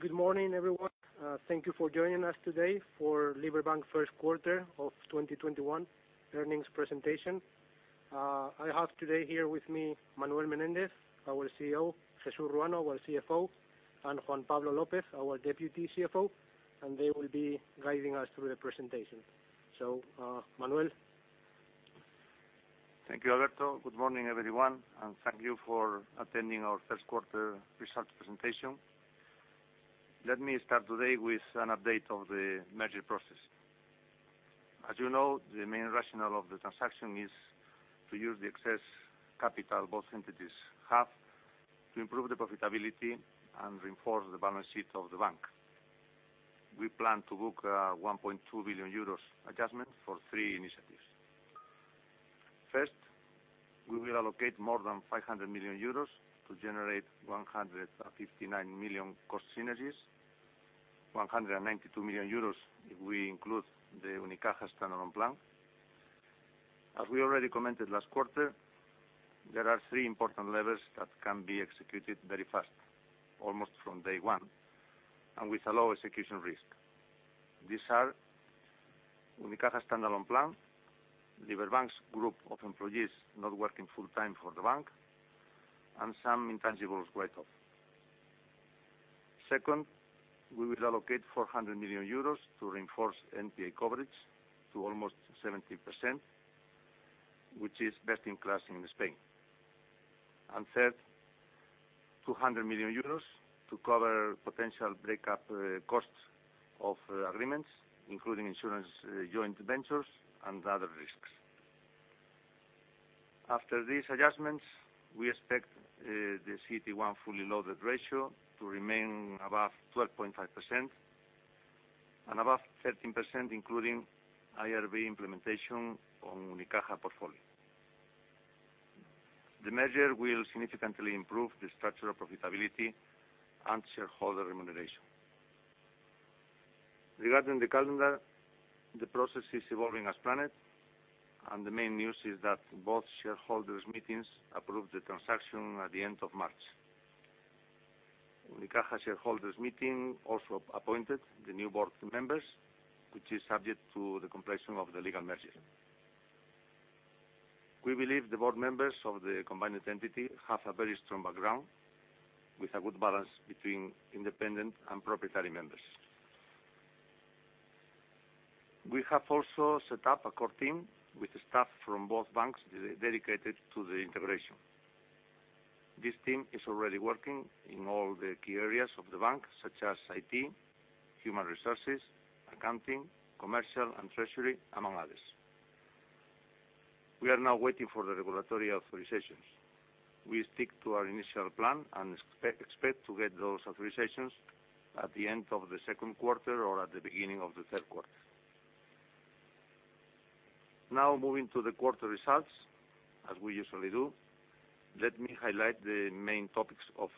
Good morning, everyone. Thank you for joining us today for Liberbank first quarter of 2021 earnings presentation. I have today here with me, Manuel Menéndez, our CEO, Jesús Ruano, our CFO, and Juan Pablo López, our Deputy CFO, and they will be guiding us through the presentation. Manuel. Thank you, Alberto. Good morning, everyone, and thank you for attending our first quarter results presentation. Let me start today with an update of the merger process. As you know, the main rationale of the transaction is to use the excess capital both entities have to improve the profitability and reinforce the balance sheet of the bank. We plan to book 1.2 billion euros adjustment for three initiatives. First, we will allocate more than 500 million euros to generate 159 million cost synergies, 192 million euros if we include the Unicaja standalone plan. As we already commented last quarter, there are three important levers that can be executed very fast, almost from day one, and with a low execution risk. These are Unicaja standalone plan, Liberbank's group of employees not working full-time for the bank, and some intangibles write-off. Second, we will allocate 400 million euros to reinforce NPA coverage to almost 70%, which is best in class in Spain. Third, 200 million euros to cover potential breakup costs of agreements, including insurance, joint ventures, and other risks. After these adjustments, we expect the CET1 fully loaded ratio to remain above 12.5% and above 13%, including IRB implementation on Unicaja portfolio. The merger will significantly improve the structure of profitability and shareholder remuneration. Regarding the calendar, the process is evolving as planned, and the main news is that both shareholders meetings approved the transaction at the end of March. Unicaja shareholders meeting also appointed the new board members, which is subject to the completion of the legal merger. We believe the board members of the combined entity have a very strong background with a good balance between independent and proprietary members. We have also set up a core team with staff from both banks dedicated to the integration. This team is already working in all the key areas of the bank, such as IT, human resources, accounting, commercial, and treasury, among others. We are now waiting for the regulatory authorizations. We stick to our initial plan and expect to get those authorizations at the end of the second quarter or at the beginning of the third quarter. Now, moving to the quarter results, as we usually do, let me highlight the main topics of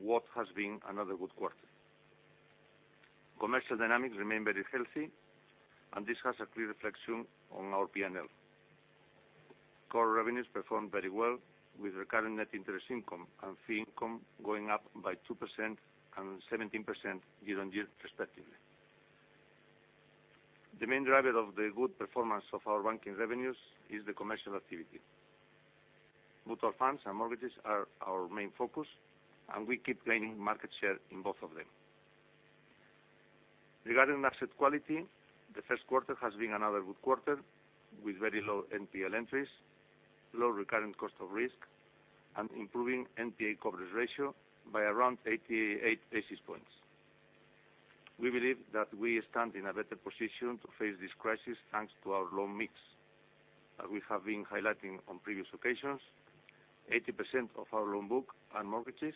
what has been another good quarter. Commercial dynamics remain very healthy, and this has a clear reflection on our P&L. Core revenues performed very well, with recurring net interest income and fee income going up by 2% and 17% year-on-year respectively. The main driver of the good performance of our banking revenues is the commercial activity. Mutual funds and mortgages are our main focus, and we keep gaining market share in both of them. Regarding asset quality, the first quarter has been another good quarter, with very low NPL entries, low recurrent cost of risk, and improving NPA coverage ratio by around 88 basis points. We believe that we stand in a better position to face this crisis, thanks to our loan mix. As we have been highlighting on previous occasions, 80% of our loan book are mortgages,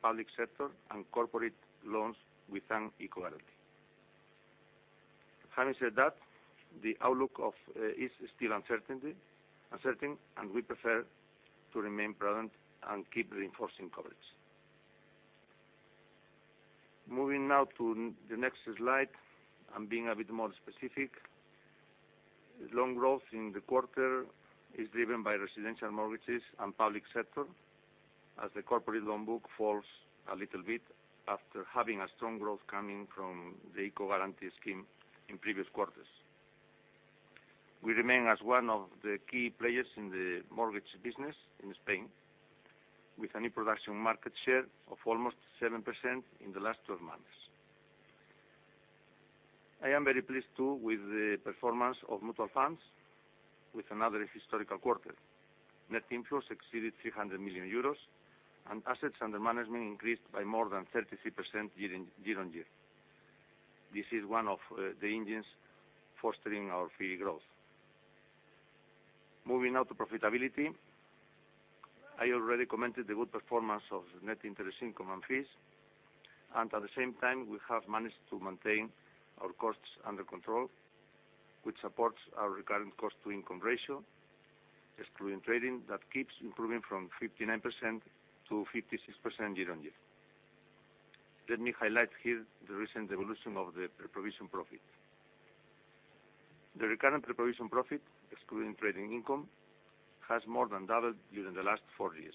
public sector, and corporate loans with an ICO guarantee. Having said that, the outlook is still uncertain, and we prefer to remain prudent and keep reinforcing coverage. Moving now to the next slide and being a bit more specific, loan growth in the quarter is driven by residential mortgages and public sector, as the corporate loan book falls a little bit after having a strong growth coming from the ICO guarantee scheme in previous quarters. We remain as one of the key players in the mortgage business in Spain, with a new production market share of almost 7% in the last 12 months. I am very pleased, too, with the performance of mutual funds with another historical quarter. Net inflows exceeded 300 million euros, and assets under management increased by more than 33% year-on-year. This is one of the engines fostering our fee growth. Moving now to profitability. I already commented the good performance of net interest income and fees. At the same time, we have managed to maintain our costs under control, which supports our recurring cost-to-income ratio, excluding trading, that keeps improving from 59% to 56% year-on-year. Let me highlight here the recent evolution of the pre-provision profit. The recurrent pre-provision profit, excluding trading income, has more than doubled during the last four years,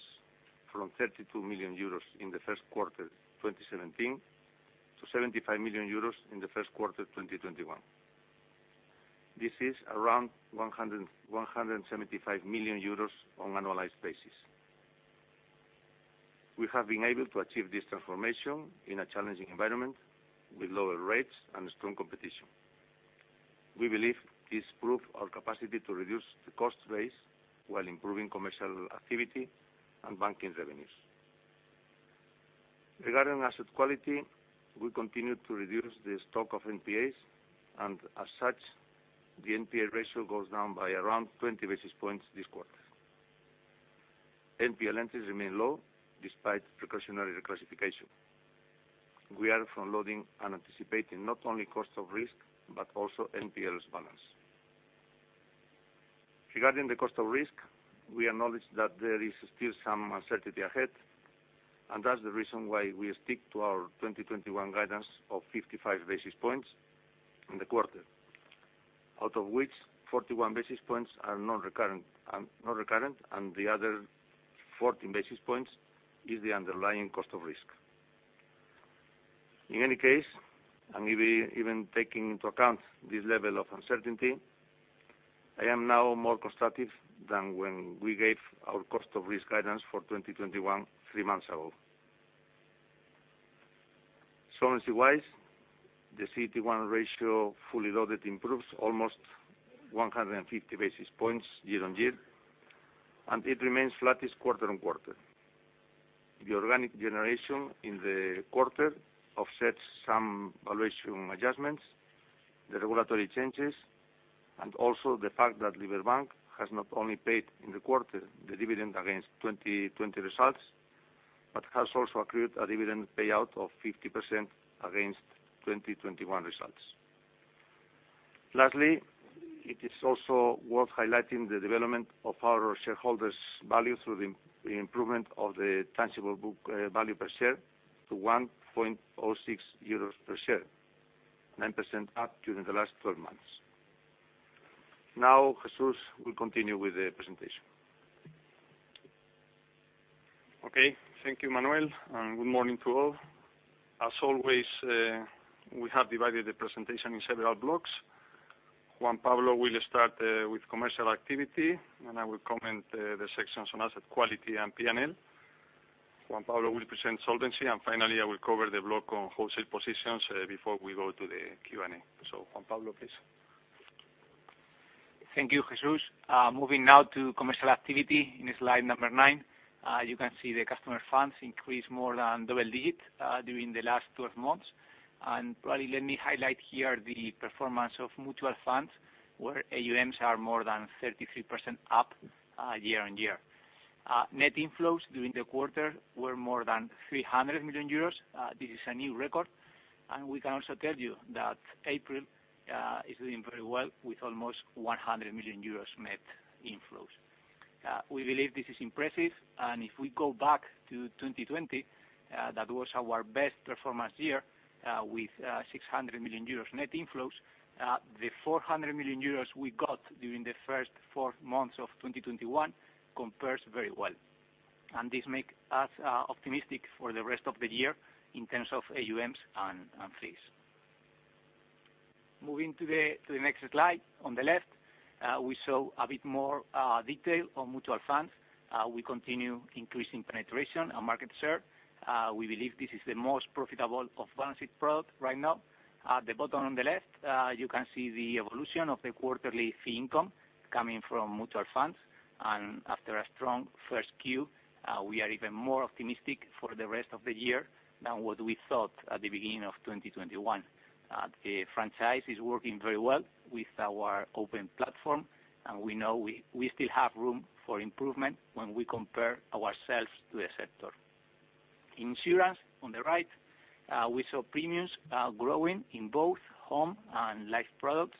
from 32 million euros in the first quarter 2017 to 75 million euros in the first quarter 2021. This is around 175 million euros on annualized basis. We have been able to achieve this transformation in a challenging environment with lower rates and strong competition. We believe this proves our capacity to reduce the cost base while improving commercial activity and banking revenues. Regarding asset quality, we continue to reduce the stock of NPAs, and as such, the NPA ratio goes down by around 20 basis points this quarter. NPL entries remain low despite precautionary reclassification. We are front-loading and anticipating not only cost of risk, but also NPLs balance. Regarding the cost of risk, we acknowledge that there is still some uncertainty ahead, and that's the reason why we stick to our 2021 guidance of 55 basis points in the quarter, out of which 41 basis points are non-recurrent, and the other 14 basis points is the underlying cost of risk. In any case, and even taking into account this level of uncertainty, I am now more constructive than when we gave our cost of risk guidance for 2021 three months ago. Solvency-wise, the CET1 ratio fully loaded improves almost 150 basis points year-on-year, and it remains flattish quarter-on-quarter. The organic generation in the quarter offsets some valuation adjustments, the regulatory changes, and also the fact that Liberbank has not only paid in the quarter the dividend against 2020 results, but has also accrued a dividend payout of 50% against 2021 results. Lastly, it is also worth highlighting the development of our shareholders value through the improvement of the tangible book value per share to 1.06 euros per share, 9% up during the last 12 months. Now, Jesús will continue with the presentation. Okay. Thank you, Manuel, and good morning to all. As always, we have divided the presentation in several blocks. Juan Pablo will start with commercial activity, and I will comment the sections on asset quality and P&L. Juan Pablo will present solvency, and finally, I will cover the block on wholesale positions before we go to the Q&A. Juan Pablo, please. Thank you, Jesús. Moving now to commercial activity in slide number nine. You can see the customer funds increased more than double digits during the last 12 months. Probably let me highlight here the performance of mutual funds, where AUMs are more than 33% up year-on-year. Net inflows during the quarter were more than 300 million euros. This is a new record. We can also tell you that April is doing very well with almost 100 million euros net inflows. We believe this is impressive. If we go back to 2020, that was our best performance year with 600 million euros net inflows. The 400 million euros we got during the first four months of 2021 compares very well. This make us optimistic for the rest of the year in terms of AUMs and fees. Moving to the next slide. On the left, we show a bit more detail on mutual funds. We continue increasing penetration and market share. We believe this is the most profitable off-balance product right now. At the bottom on the left, you can see the evolution of the quarterly fee income coming from mutual funds. After a strong first Q, we are even more optimistic for the rest of the year than what we thought at the beginning of 2021. The franchise is working very well with our open platform, and we know we still have room for improvement when we compare ourselves to the sector. Insurance on the right. We saw premiums growing in both home and life products.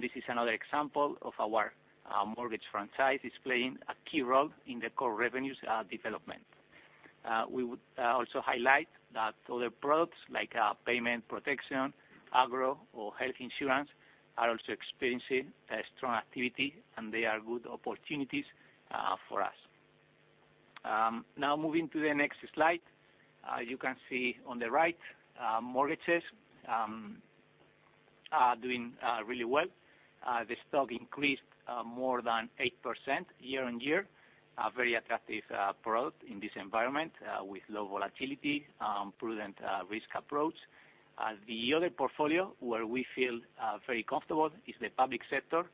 This is another example of our mortgage franchise is playing a key role in the core revenues development. We would also highlight that other products like payment protection, agro, or health insurance are also experiencing a strong activity, and they are good opportunities for us. Moving to the next slide. You can see on the right, mortgages are doing really well. The stock increased more than 8% year-on-year. A very attractive product in this environment, with low volatility, prudent risk approach. The other portfolio where we feel very comfortable is the public sector,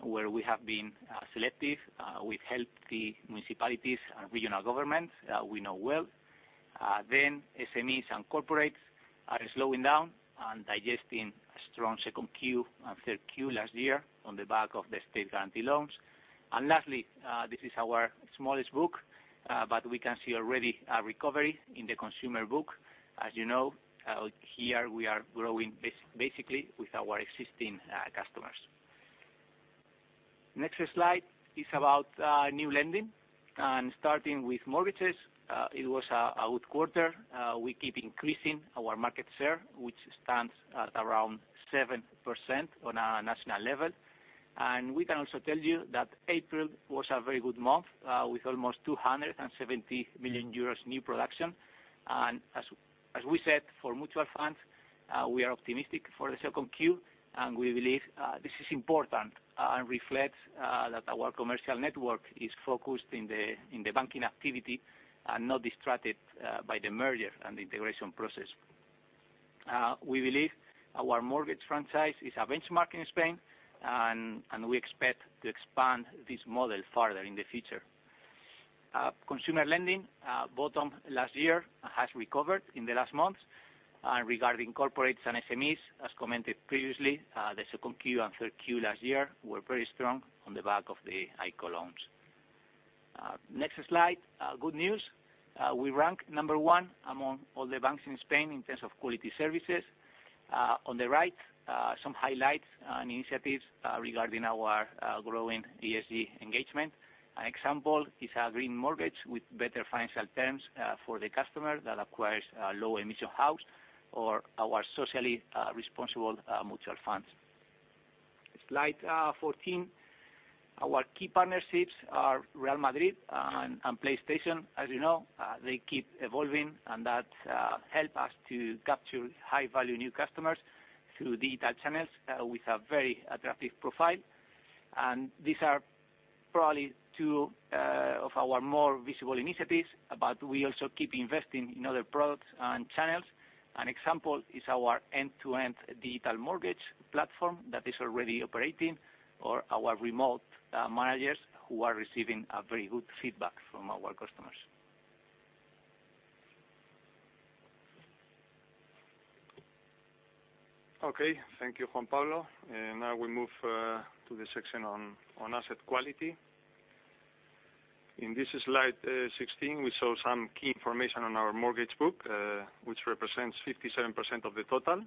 where we have been selective with healthy municipalities and regional governments we know well. SMEs and corporates are slowing down and digesting a strong second Q and third Q last year on the back of the state guarantee loans. Lastly, this is our smallest book, but we can see already a recovery in the consumer book. As you know, here we are growing basically with our existing customers. Next slide is about, new lending and starting with mortgages. It was a good quarter. We keep increasing our market share, which stands at around 7% on a national level. We can also tell you that April was a very good month, with almost 270 million euros new production. As we said, for mutual funds, we are optimistic for the second Q, and we believe this is important and reflects that our commercial network is focused in the banking activity and not distracted by the merger and integration process. We believe our mortgage franchise is a benchmark in Spain, and we expect to expand this model further in the future. Consumer lending bottom last year has recovered in the last months. Regarding corporates and SMEs, as commented previously, the second Q and third Q last year were very strong on the back of the ICO loans. Next slide. Good news. We rank number one among all the banks in Spain in terms of quality services. On the right, some highlights on initiatives regarding our growing ESG engagement. An example is a green mortgage with better financial terms for the customer that acquires a low emission house or our socially responsible mutual funds. Slide 14. Our key partnerships are Real Madrid and PlayStation. As you know, they keep evolving, that help us to capture high-value new customers through digital channels with a very attractive profile. These are probably two of our more visible initiatives, but we also keep investing in other products and channels. An example is our end-to-end digital mortgage platform that is already operating or our remote managers who are receiving a very good feedback from our customers. Okay. Thank you, Juan Pablo. Now we move to the section on asset quality. In this slide 16, we show some key information on our mortgage book, which represents 57% of the total,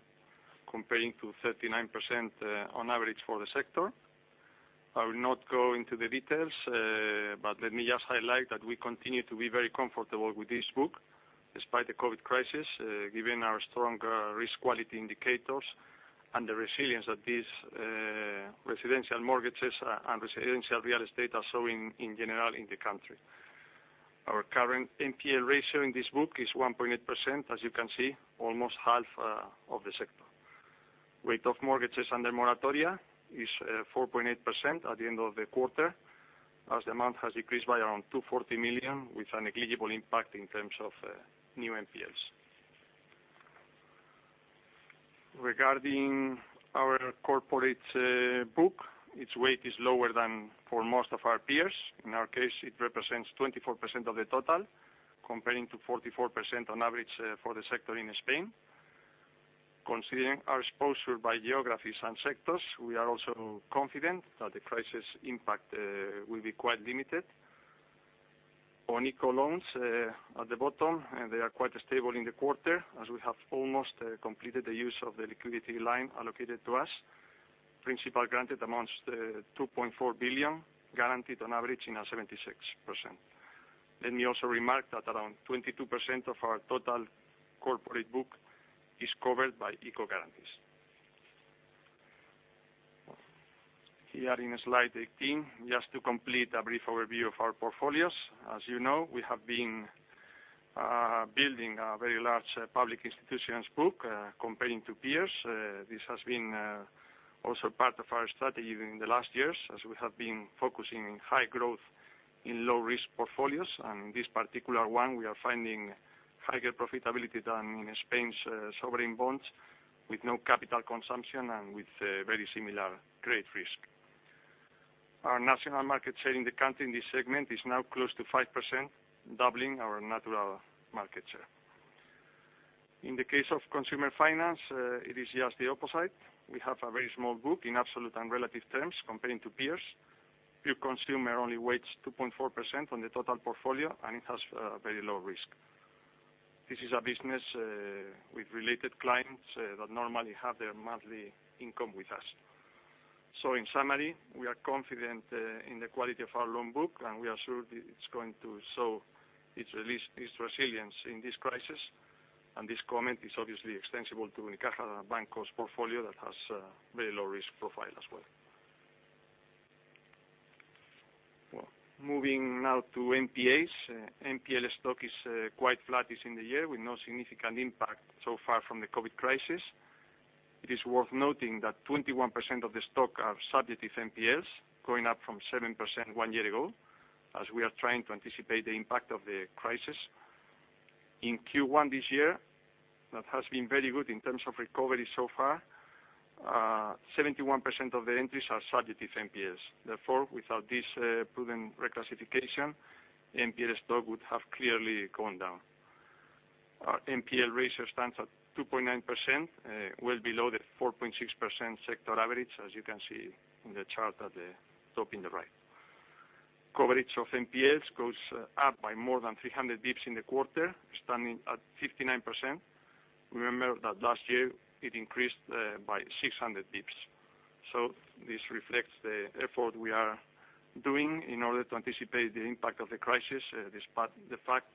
comparing to 39% on average for the sector. I will not go into the details, but let me just highlight that we continue to be very comfortable with this book despite the COVID crisis, given our strong risk quality indicators and the resilience that these residential mortgages and residential real estate are showing in general in the country. Our current NPL ratio in this book is 1.8%, as you can see, almost half of the sector. Rate of mortgages under moratoria is 4.8% at the end of the quarter, as the amount has decreased by around 240 million, with a negligible impact in terms of new NPLs. Regarding our corporate book, its weight is lower than for most of our peers. In our case, it represents 24% of the total, comparing to 44% on average for the sector in Spain. Considering our exposure by geographies and sectors, we are also confident that the crisis impact will be quite limited. On ICO loans at the bottom, they are quite stable in the quarter as we have almost completed the use of the liquidity line allocated to us. Principal granted amounts 2.4 billion, guaranteed on average in our 76%. Let me also remark that around 22% of our total corporate book is covered by ICO guarantees. Here in slide 18, just to complete a brief overview of our portfolios. As you know, we have been building a very large public institutions book comparing to peers. This has been also part of our strategy during the last years as we have been focusing in high growth in low risk portfolios. This particular one, we are finding higher profitability than in Spain's sovereign bonds with no capital consumption and with very similar credit risk. Our national market share in the country in this segment is now close to 5%, doubling our natural market share. In the case of consumer finance, it is just the opposite. We have a very small book in absolute and relative terms comparing to peers. Pure consumer only weighs 2.4% on the total portfolio, and it has a very low risk. This is a business with related clients that normally have their monthly income with us. In summary, we are confident in the quality of our loan book, and we are sure that it's going to show its resilience in this crisis. This comment is obviously extensible to Unicaja's portfolio that has a very low risk profile as well. Moving now to NPAs. NPL stock is quite flattish in the year with no significant impact so far from the COVID crisis. It is worth noting that 21% of the stock are subjective NPLs, going up from 7% one year ago, as we are trying to anticipate the impact of the crisis. In Q1 this year, that has been very good in terms of recovery so far. 71% of the entries are subjective NPLs. Without this prudent reclassification, NPL stock would have clearly gone down. Our NPL ratio stands at 2.9%, well below the 4.6% sector average, as you can see in the chart at the top in the right. Coverage of NPLs goes up by more than 300 basis points in the quarter, standing at 59%. Remember that last year it increased by 600 basis points. This reflects the effort we are doing in order to anticipate the impact of the crisis, despite the fact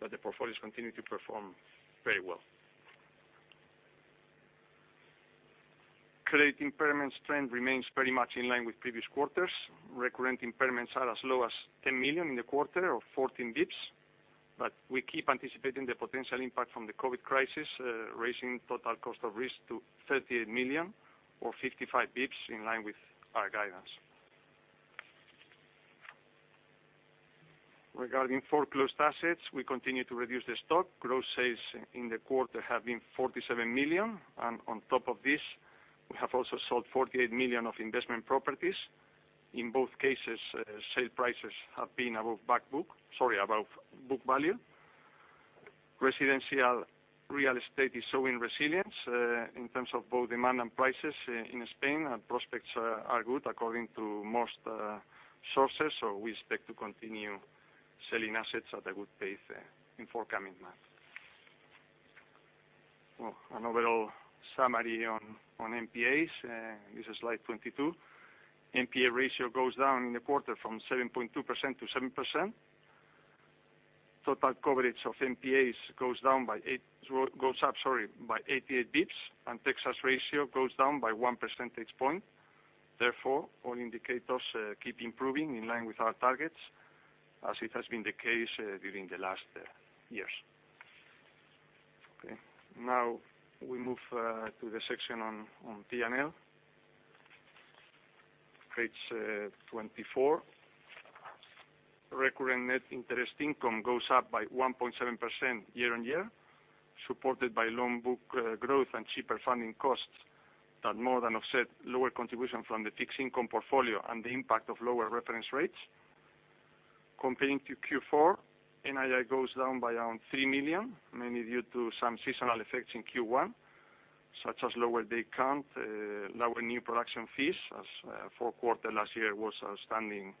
that the portfolios continue to perform very well. Credit impairments trend remains pretty much in line with previous quarters. Recurrent impairments are as low as 10 million in the quarter or 14 basis points, we keep anticipating the potential impact from the COVID crisis, raising total cost of risk to 38 million or 55 basis points in line with our guidance. Regarding foreclosed assets, we continue to reduce the stock. Gross sales in the quarter have been 47 million. On top of this, we have also sold 48 million of investment properties. In both cases, sale prices have been above book value. Residential real estate is showing resilience, in terms of both demand and prices in Spain. Prospects are good according to most sources. We expect to continue selling assets at a good pace in forthcoming months. Well, an overall summary on NPAs. This is slide 22. NPA ratio goes down in the quarter from 7.2% to 7%. Total coverage of NPAs goes up by 88 basis points. Texas Ratio goes down by 1 percentage point. Therefore, all indicators keep improving in line with our targets, as it has been the case during the last years. Okay. Now we move to the section on P&L. Page 24. Recurrent net interest income goes up by 1.7% year-on-year, supported by loan book growth and cheaper funding costs that more than offset lower contribution from the fixed income portfolio and the impact of lower reference rates. Comparing to Q4, NII goes down by around 3 million, mainly due to some seasonal effects in Q1, such as lower day count, lower new production fees, as fourth quarter last year was outstanding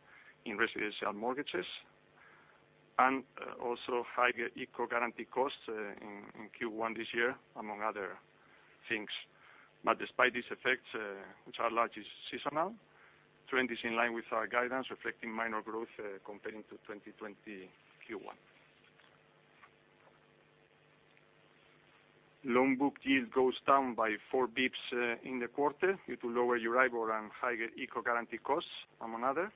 in residential mortgages, and also higher ICO guarantee costs in Q1 this year, among other things. Despite these effects, which are largely seasonal, trend is in line with our guidance, reflecting minor growth comparing to 2020 Q1. Loan book yield goes down by 4 basis points in the quarter due to lower Euribor and higher ICO guarantee costs, among other.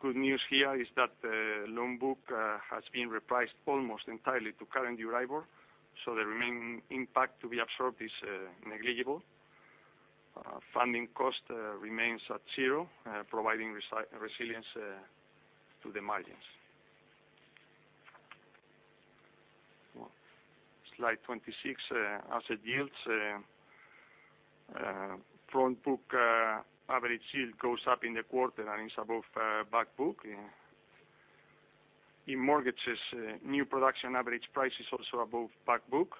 Good news here is that the loan book has been repriced almost entirely to current Euribor, so the remaining impact to be absorbed is negligible. Funding cost remains at zero, providing resilience to the margins. Slide 26, asset yields. Front book average yield goes up in the quarter and is above back book. In mortgages, new production average price is also above back book,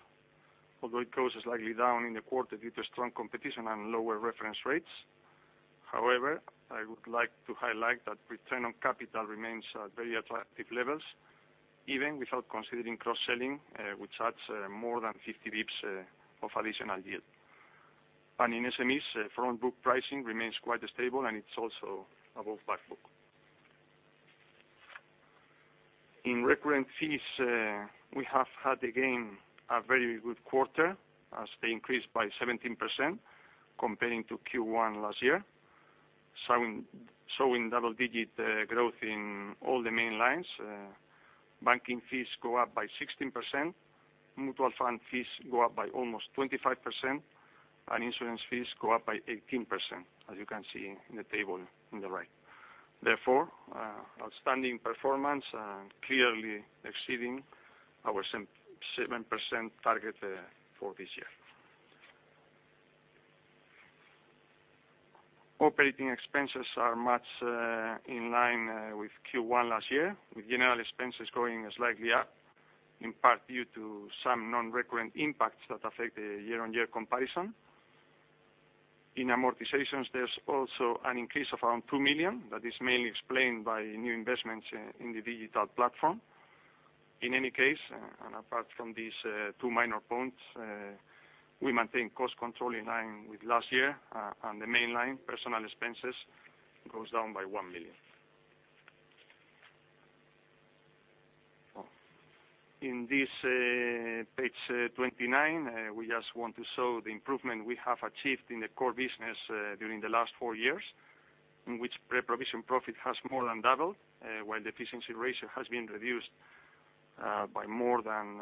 although it goes slightly down in the quarter due to strong competition and lower reference rates. However, I would like to highlight that return on capital remains at very attractive levels, even without considering cross-selling, which adds more than 50 basis points of additional yield. In SMEs, front book pricing remains quite stable, and it's also above back book. In recurrent fees, we have had again a very good quarter as they increased by 17% comparing to Q1 last year, showing double-digit growth in all the main lines. Banking fees go up by 16%, mutual fund fees go up by almost 25%, and insurance fees go up by 18%, as you can see in the table on the right. Therefore, outstanding performance and clearly exceeding our 7% target for this year. Operating expenses are much in line with Q1 last year, with general expenses going slightly up, in part due to some non-recurrent impacts that affect the year-on-year comparison. In amortizations, there's also an increase of around 2 million. That is mainly explained by new investments in the digital platform. In any case, apart from these two minor points, we maintain cost control in line with last year, and the main line, personal expenses, goes down by 1 million. In this page 29, we just want to show the improvement we have achieved in the core business during the last four years, in which pre-provision profit has more than doubled, while the efficiency ratio has been reduced by more than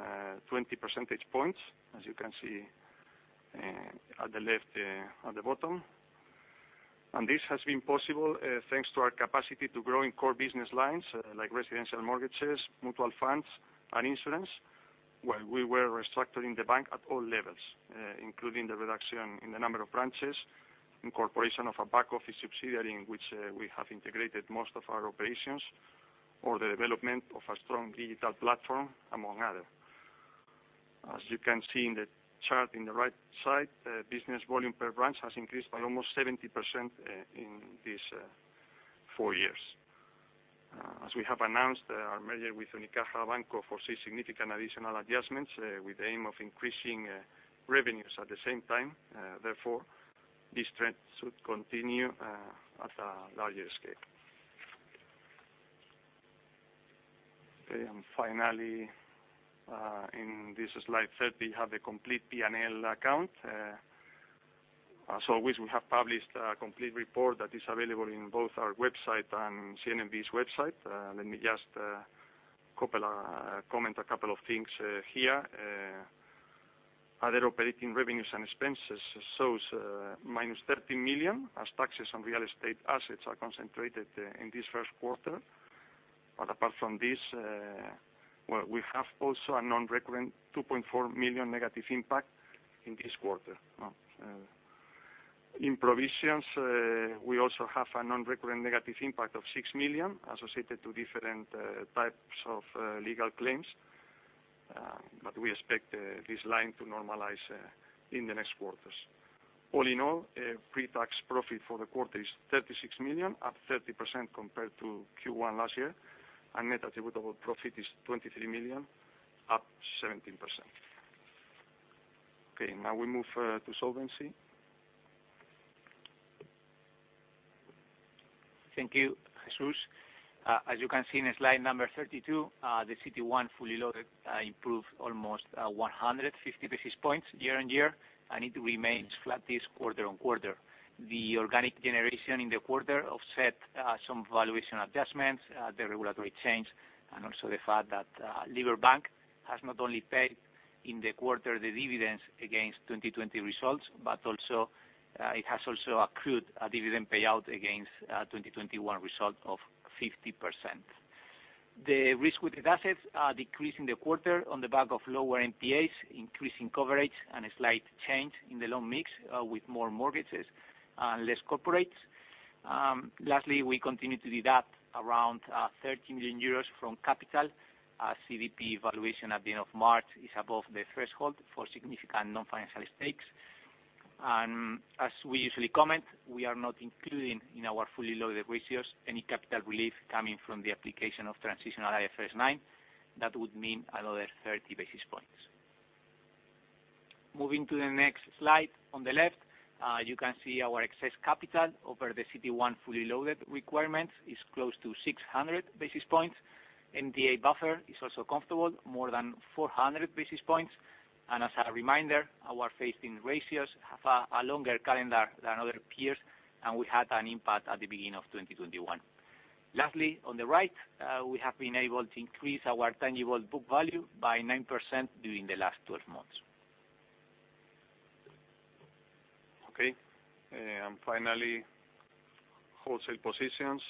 20 percentage points, as you can see at the left at the bottom. This has been possible thanks to our capacity to grow in core business lines, like residential mortgages, mutual funds, and insurance, while we were restructuring the bank at all levels, including the reduction in the number of branches, incorporation of a back-office subsidiary in which we have integrated most of our operations, or the development of a strong digital platform, among others. As you can see in the chart on the right side, business volume per branch has increased by almost 70% in these four years. As we have announced, our merger with Unicaja Banco foresees significant additional adjustments with the aim of increasing revenues at the same time. Therefore, this trend should continue at a larger scale. Okay, finally, in this slide 30, we have a complete P&L account. As always, we have published a complete report that is available on both our website and CNMV's website. Let me just comment a couple of things here. Other operating revenues and expenses shows -13 million, as taxes on real estate assets are concentrated in this first quarter. Apart from this, we have also a non-recurrent 2.4 million negative impact in this quarter. In provisions, we also have a non-recurrent negative impact of 6 million associated with different types of legal claims. We expect this line to normalize in the next quarters. All in all, pre-tax profit for the quarter is 36 million, up 30% compared to Q1 last year, and net attributable profit is 23 million, up 17%. Okay. Now we move to solvency. Thank you, Jesús. As you can see in slide number 32, the CET1 fully loaded improved almost 150 basis points year-on-year. It remains flattish quarter-on-quarter. The organic generation in the quarter offset some valuation adjustments, the regulatory change, and also the fact that Liberbank has not only paid in the quarter the dividends against 2020 results, but it has also accrued a dividend payout against 2021 result of 50%. The risk-weighted assets decreased in the quarter on the back of lower NPAs, increasing coverage, and a slight change in the loan mix with more mortgages and less corporates. Lastly, we continue to deduct around 30 million euros from capital, as EDP valuation at the end of March is above the threshold for significant non-financial stakes. As we usually comment, we are not including in our fully loaded ratios any capital relief coming from the application of transitional IFRS 9. That would mean another 30 basis points. Moving to the next slide. On the left, you can see our excess capital over the CET1 fully loaded requirement is close to 600 basis points. MDA buffer is also comfortable, more than 400 basis points. As a reminder, our phased-in ratios have a longer calendar than other peers, and we had an impact at the beginning of 2021. Lastly, on the right, we have been able to increase our tangible book value by 9% during the last 12 months. Okay. Finally, wholesale positions,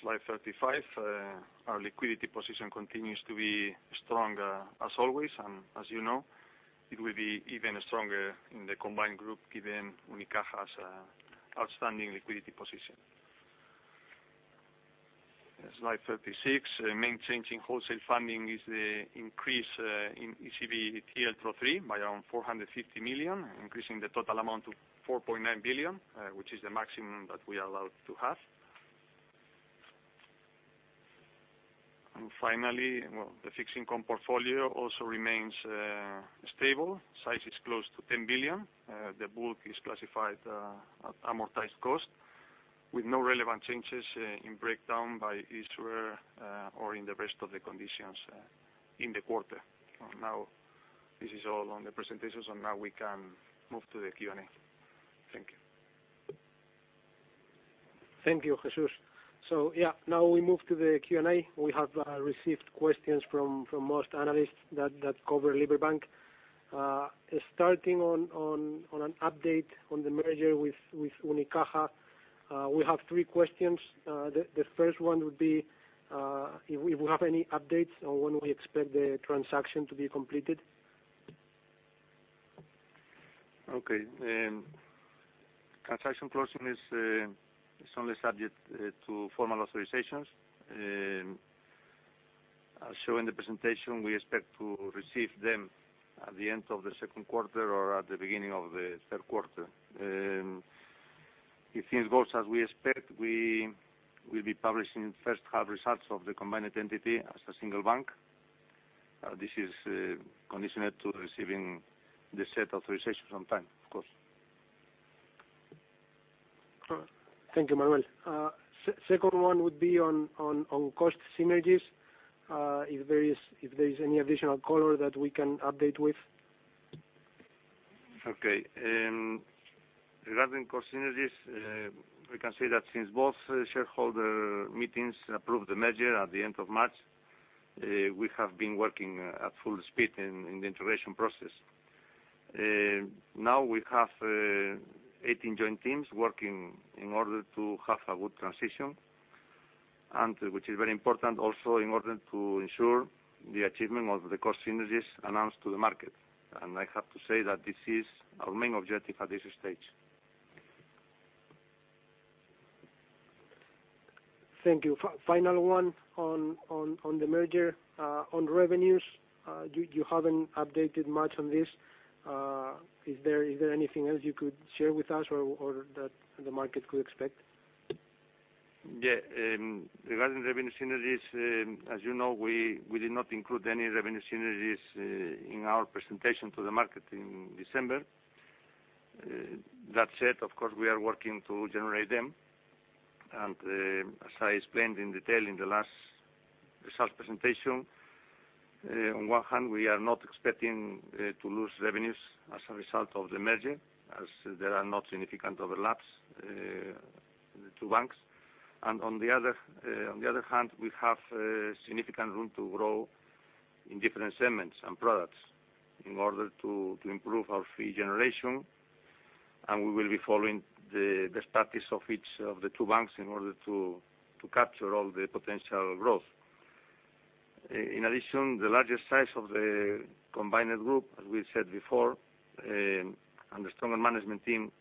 slide 35. Our liquidity position continues to be strong as always, and as you know, it will be even stronger in the combined group, given Unicaja's outstanding liquidity position. Slide 36. The main change in wholesale funding is the increase in ECB TLTRO III by around 450 million, increasing the total amount to 4.9 billion, which is the maximum that we are allowed to have. Finally, the fixed income portfolio also remains stable. Size is close to 10 billion. The bulk is classified at amortized cost, with no relevant changes in breakdown by issuer or in the rest of the conditions in the quarter. This is all on the presentation, so now we can move to the Q&A. Thank you. Thank you, Jesús. Now we move to the Q&A. We have received questions from most analysts that cover Liberbank. Starting on an update on the merger with Unicaja, we have three questions. The first one would be if we have any updates on when we expect the transaction to be completed. Okay. Transaction closing is only subject to formal authorizations. As shown in the presentation, we expect to receive them at the end of the second quarter or at the beginning of the third quarter. If things go as we expect, we will be publishing first half results of the combined entity as a single bank. This is conditioned to receiving the set authorizations on time, of course. Thank you, Manuel. Second one would be on cost synergies. If there is any additional color that we can update with? Okay. Regarding cost synergies, we can say that since both shareholder meetings approved the merger at the end of March, we have been working at full speed in the integration process. Now we have 18 joint teams working in order to have a good transition, which is very important also in order to ensure the achievement of the cost synergies announced to the market. I have to say that this is our main objective at this stage. Thank you. Final one on the merger. On revenues, you haven't updated much on this. Is there anything else you could share with us, or that the market could expect? Yeah. Regarding revenue synergies, as you know, we did not include any revenue synergies in our presentation to the market in December. That said, of course, we are working to generate them. As I explained in detail in the last results presentation, on one hand, we are not expecting to lose revenues as a result of the merger, as there are no significant overlaps in the two banks. On the other hand, we have significant room to grow in different segments and products in order to improve our fee generation. We will be following the status of each of the two banks in order to capture all the potential growth. In addition, the larger size of the combined group, as we said before, and the stronger management team,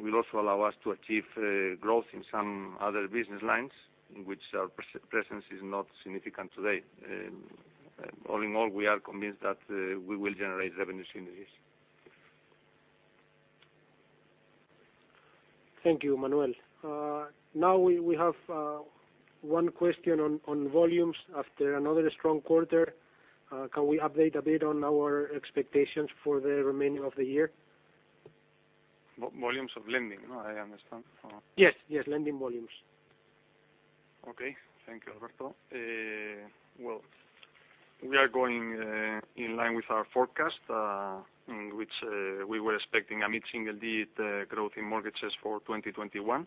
will also allow us to achieve growth in some other business lines in which our presence is not significant today. All in all, we are convinced that we will generate revenue synergies. Thank you, Manuel. Now we have one question on volumes. After another strong quarter, can we update a bit on our expectations for the remaining of the year? Volumes of lending, I understand. Yes. Lending volumes. Okay. Thank you, Alberto. Well, we are going in line with our forecast, in which we were expecting a mid-single-digit growth in mortgages for 2021.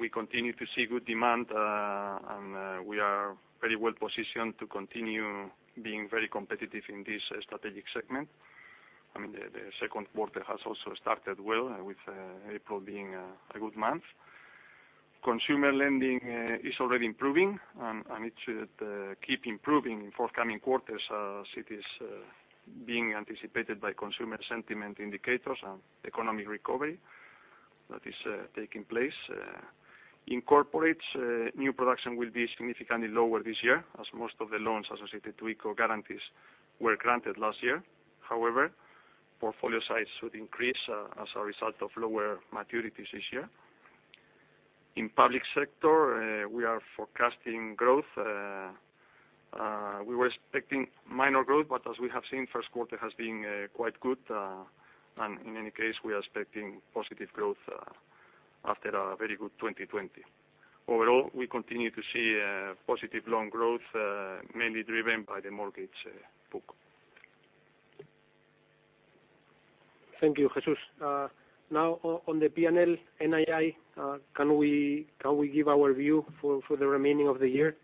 We continue to see good demand, and we are very well positioned to continue being very competitive in this strategic segment. The second quarter has also started well, with April being a good month. Consumer lending is already improving, and it should keep improving in forthcoming quarters, as it is being anticipated by consumer sentiment indicators and economic recovery that is taking place. In corporates, new production will be significantly lower this year, as most of the loans associated to ICO guarantees were granted last year. However, portfolio size should increase as a result of lower maturities this year. In public sector, we are forecasting growth. We were expecting minor growth, but as we have seen, first quarter has been quite good. In any case, we are expecting positive growth after a very good 2020. Overall, we continue to see positive loan growth, mainly driven by the mortgage book. Thank you, Jesús. On the P&L NII, can we give our view for the remaining of the year?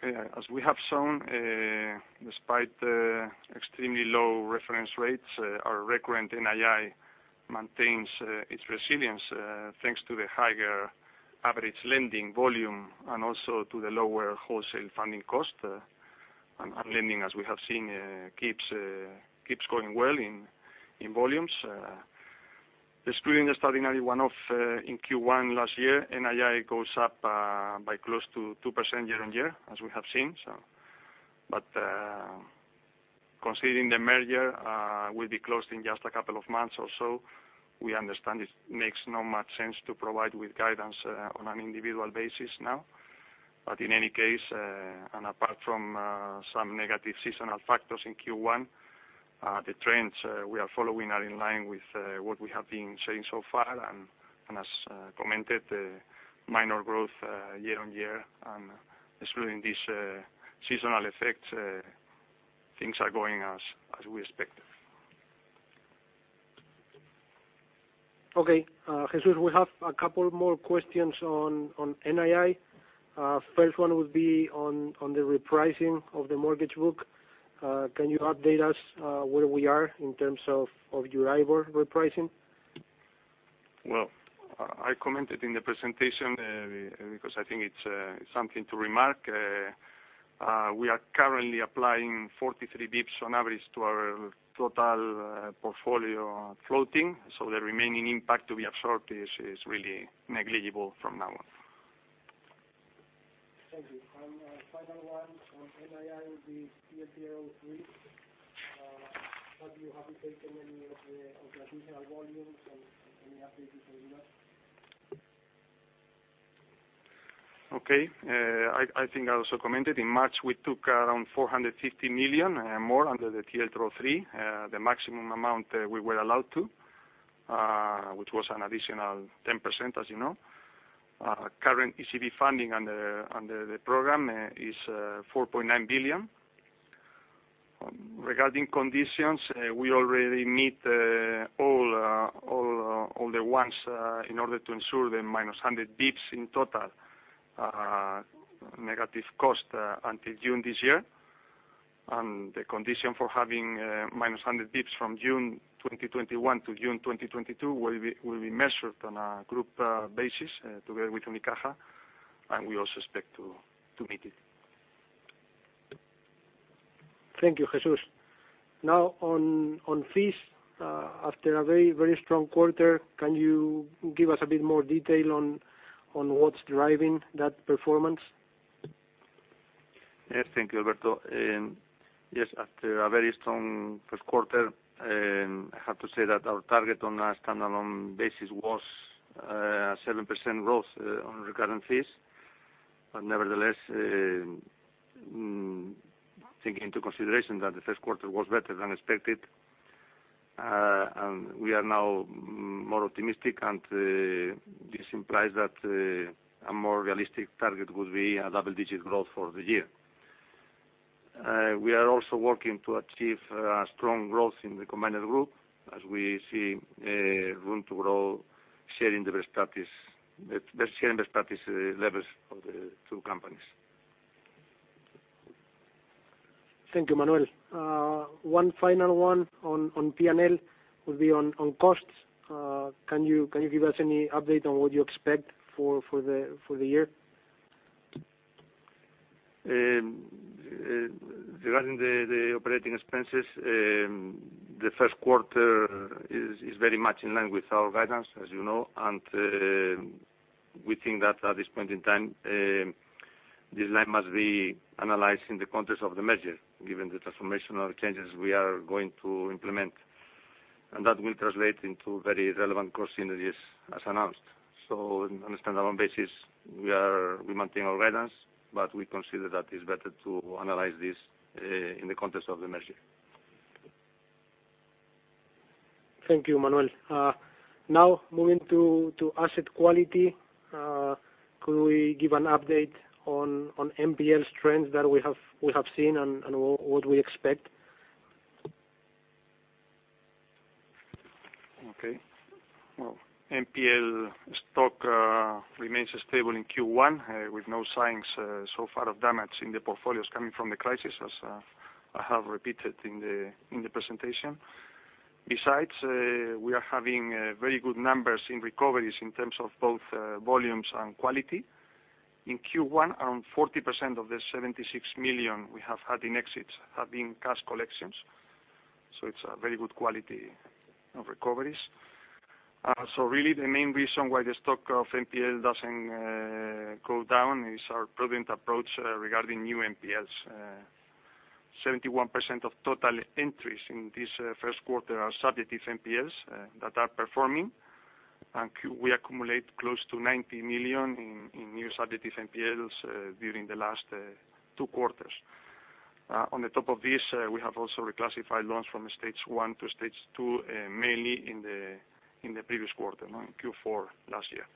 Okay. As we have shown, despite the extremely low reference rates, our recurrent NII maintains its resilience thanks to the higher average lending volume and also to the lower wholesale funding cost. Lending, as we have seen, keeps going well in volumes. Excluding the extraordinary one-off in Q1 last year, NII goes up by close to 2% year-on-year, as we have seen. Considering the merger will be closed in just a couple of months or so, we understand it makes not much sense to provide with guidance on an individual basis now. In any case, and apart from some negative seasonal factors in Q1, the trends we are following are in line with what we have been saying so far. As commented, minor growth year-on-year and excluding these seasonal effects, things are going as we expected. Okay. Jesús, we have a couple more questions on NII. First one would be on the repricing of the mortgage book. Can you update us where we are in terms of Euribor repricing? Well, I commented in the presentation, because I think it's something to remark. We are currently applying 43 basis points on average to our total portfolio floating. The remaining impact to be absorbed is really negligible from now on. Thank you. Final one on NII will be TLTRO III, that you haven't taken any of the additional volumes, so any updates you can give us? Okay. I think I also commented, in March, we took around 450 million more under the TLTRO III, the maximum amount we were allowed to, which was an additional 10%, as you know. Current ECB funding under the program is 4.9 billion. Regarding conditions, we already meet all the ones in order to ensure the -100 basis points in total negative cost until June this year. The condition for having -100 basis points from June 2021 to June 2022 will be measured on a group basis together with Unicaja, and we also expect to meet it. Thank you, Jesús. On fees, after a very strong quarter, can you give us a bit more detail on what's driving that performance? Yes. Thank you, Alberto. After a very strong first quarter, I have to say that our target on a standalone basis was 7% growth on recurring fees. Nevertheless, taking into consideration that the first quarter was better than expected, we are now more optimistic, and this implies that a more realistic target would be a double-digit growth for the year. We are also working to achieve strong growth in the combined group, as we see room to grow, sharing the best practice levels of the two companies. Thank you, Manuel. One final one on P&L would be on costs. Can you give us any update on what you expect for the year? Regarding the operating expenses, the first quarter is very much in line with our guidance, as you know. We think that at this point in time, this line must be analyzed in the context of the merger, given the transformational changes we are going to implement. That will translate into very relevant cost synergies, as announced. On a standalone basis, we maintain our guidance, but we consider that it's better to analyze this in the context of the merger. Thank you, Manuel. Now moving to asset quality, could we give an update on NPLs trends that we have seen and what we expect? Okay. Well, NPL stock remains stable in Q1, with no signs so far of damage in the portfolios coming from the crisis, as I have repeated in the presentation. Besides, we are having very good numbers in recoveries in terms of both volumes and quality. In Q1, around 40% of the 76 million we have had in exits have been cash collections. It's a very good quality of recoveries. Really the main reason why the stock of NPL doesn't go down is our prudent approach regarding new NPLs. 71% of total entries in this first quarter are subjective NPLs that are performing, and we accumulate close to 90 million in new subjective NPLs during the last two quarters. On top of this, we have also reclassified loans from Stage 1 to Stage 2, mainly in the previous quarter, in Q4 last year.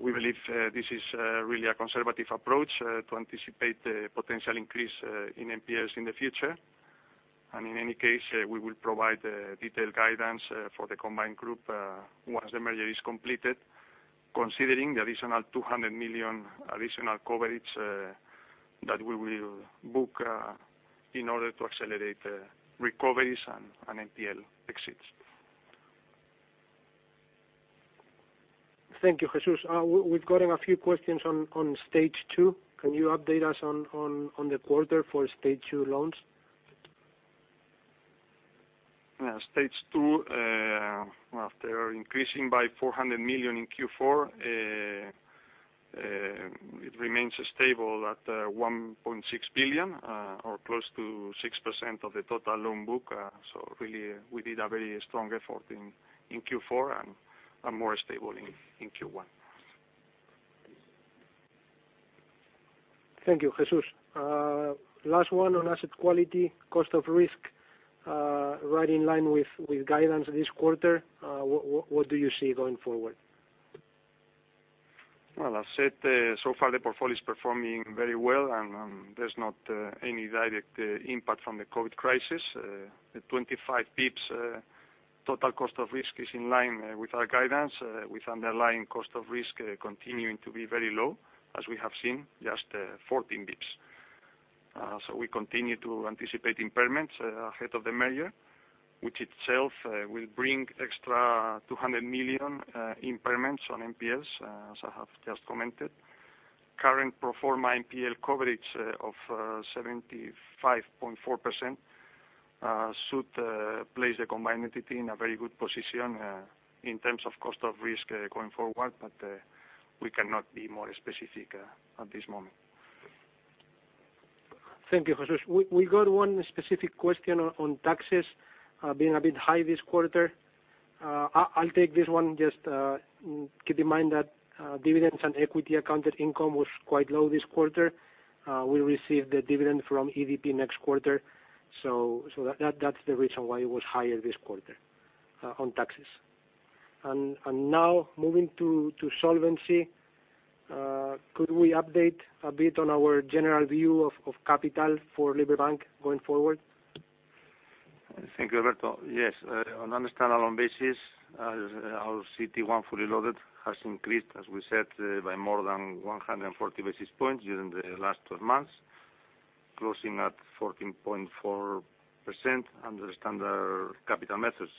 We believe this is really a conservative approach to anticipate the potential increase in NPLs in the future. In any case, we will provide detailed guidance for the combined group once the merger is completed, considering the additional 200 million additional coverage that we will book in order to accelerate recoveries and NPL exits. Thank you, Jesús. We've gotten a few questions on stage 2. Can you update us on the quarter for stage 2 loans? Stage 2, after increasing by 400 million in Q4, it remains stable at 1.6 billion, or close to 6% of the total loan book. Really, we did a very strong effort in Q4 and are more stable in Q1. Thank you, Jesús. Last one on asset quality. Cost of risk, right in line with guidance this quarter. What do you see going forward? Well, as said, so far the portfolio is performing very well, and there's not any direct impact from the COVID crisis. The 25 basis points total cost of risk is in line with our guidance, with underlying cost of risk continuing to be very low, as we have seen, just 14 basis points. We continue to anticipate impairments ahead of the merger, which itself will bring extra 200 million impairments on NPLs, as I have just commented. Current pro forma NPL coverage of 75.4% should place the combined entity in a very good position in terms of cost of risk going forward, but we cannot be more specific at this moment. Thank you, Jesús. We got one specific question on taxes being a bit high this quarter. I'll take this one. Just keep in mind that dividends and equity-accounted income was quite low this quarter. We'll receive the dividend from EDP next quarter. That's the reason why it was higher this quarter on taxes. Now moving to solvency, could we update a bit on our general view of capital for Liberbank going forward? Thank you, Alberto. Yes. On a standalone basis, our CET1 fully loaded has increased, as we said, by more than 140 basis points during the last 12 months, closing at 14.4% under standard capital measures.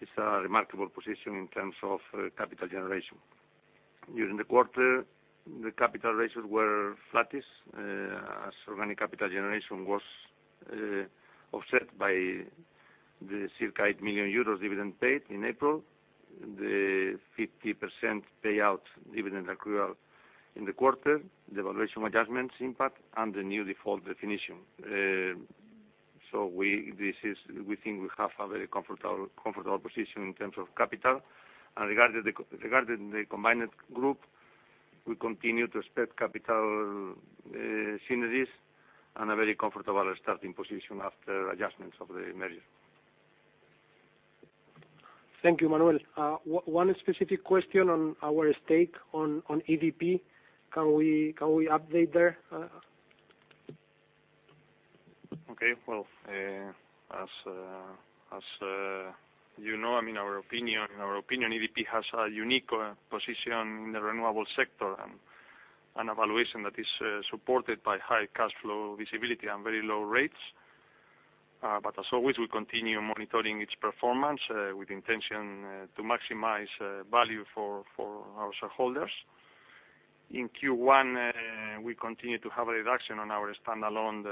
It's a remarkable position in terms of capital generation. During the quarter, the capital ratios were flattish, as organic capital generation was offset by the circa 8 million euros dividend paid in April, the 50% payout dividend accrual in the quarter, the valuation adjustments impact, and the new default definition. We think we have a very comfortable position in terms of capital. Regarding the combined group, we continue to expect capital synergies and a very comfortable starting position after adjustments of the merger. Thank you, Manuel. One specific question on our stake on EDP. Can we update there? Okay. Well, as you know, in our opinion, EDP has a unique position in the renewable sector, and a valuation that is supported by high cash flow visibility and very low rates. As always, we continue monitoring its performance, with the intention to maximize value for our shareholders. In Q1, we continue to have a reduction on our standalone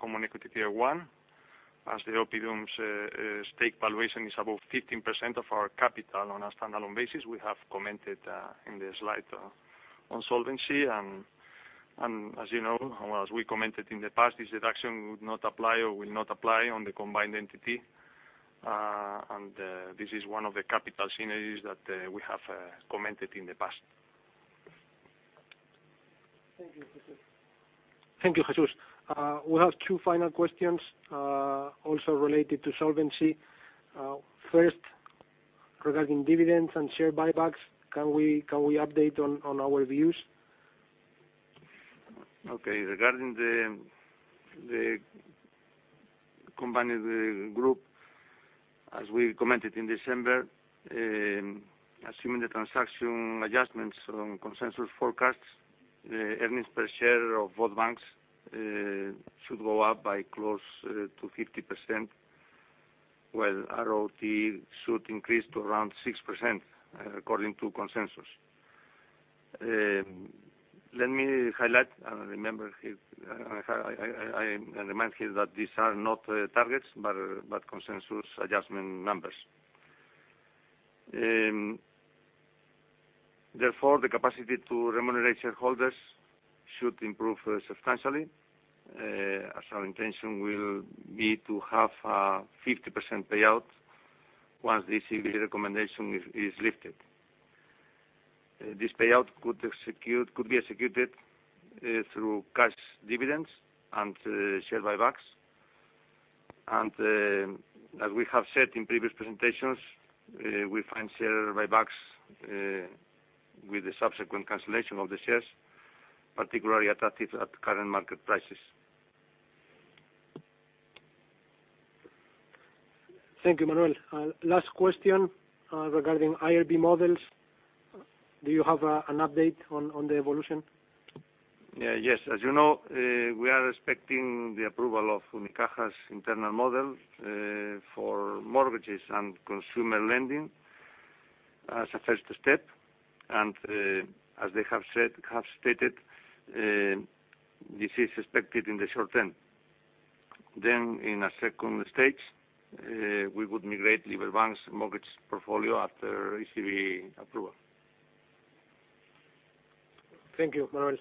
Common Equity Tier 1. As the EDP stake valuation is above 15% of our capital on a standalone basis, we have commented in the slide on solvency. As you know, or as we commented in the past, this deduction would not apply or will not apply on the combined entity. This is one of the capital synergies that we have commented in the past. Thank you, Jesús. We have two final questions, also related to solvency. First, regarding dividends and share buybacks, can we update on our views? Okay. Regarding the combined group, as we commented in December, assuming the transaction adjustments on consensus forecasts, the earnings per share of both banks should go up by close to 50%, while ROTE should increase to around 6%, according to consensus. Let me highlight and remind you that these are not targets, but consensus adjustment numbers. The capacity to remunerate shareholders should improve substantially, as our intention will be to have a 50% payout once the ECB recommendation is lifted. This payout could be executed through cash dividends and share buybacks. As we have said in previous presentations, we find share buybacks with the subsequent cancellation of the shares particularly attractive at current market prices. Thank you, Manuel. Last question regarding IRB models. Do you have an update on the evolution? Yes. As you know, we are expecting the approval of Unicaja's internal model for mortgages and consumer lending as a first step. As they have stated, this is expected in the short term. In a second stage, we would migrate Liberbank's mortgage portfolio after ECB approval. Thank you, Manuel.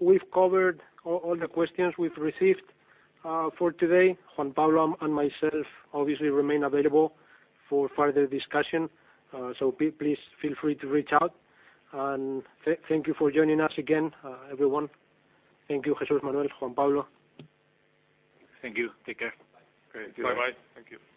We've covered all the questions we've received for today. Juan Pablo and myself obviously remain available for further discussion, so please feel free to reach out. Thank you for joining us again, everyone. Thank you, Jesús, Manuel, Juan Pablo. Thank you. Take care. Great. Bye. Bye. Thank you.